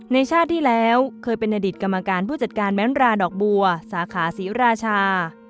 ชาติที่แล้วเคยเป็นอดีตกรรมการผู้จัดการแม้นราดอกบัวสาขาศรีราชา